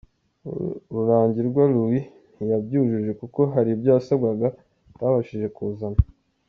Rurangirwa Louis Ntiyabyujuje kuko hari ibyo yasabwaga atabashije kuzana.